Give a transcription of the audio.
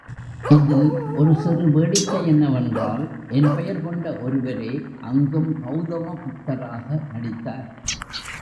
இதில் ஒரு சிறு வேடிக்கை என்னவென்றால் என் பெயர் கொண்ட ஒருவரே அங்கும் கௌதம புத்தராக நடித்தார்.